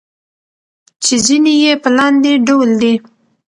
چې ځينې يې په لاندې ډول دي: